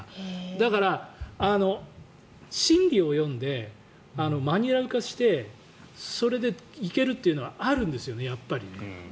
だから、心理を読んでマニュアル化してそれでいけるというのはやっぱりあるんですよね。